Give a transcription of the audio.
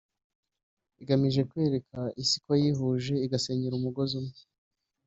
Igamije kwereka Isi ko yihuje igasenyera umugozi umwe